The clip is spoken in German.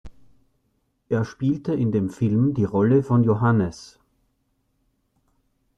Er spielte in dem Film die Rolle von Johannes.